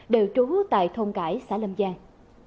đều trú tại thôn cãi xã lâm giang